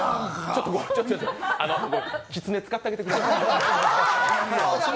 ちょっ、ちょっ、きつね使ってあげてください。